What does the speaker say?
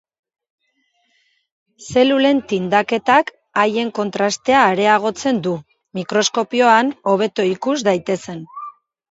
Zelulen tindaketak haien kontrastea areagotzen du, mikroskopioan hobeto ikus daitezen.